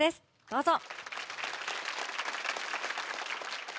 どうぞ。